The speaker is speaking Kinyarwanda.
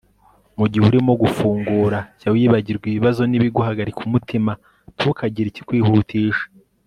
mu gihe urimo gufungura, jya wibagirwa ibibazo n'ibiguhagarika umutima; ntukagire ikikwihutisha